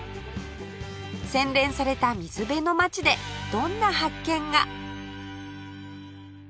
洗練された水辺の街でどんな発見が